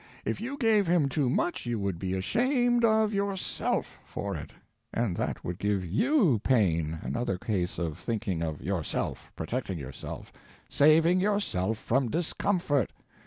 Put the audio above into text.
If you gave him too much you would be ashamed of yourself for it, and that would give you pain—another case of thinking of yourself, protecting yourself, saving yourself from discomfort.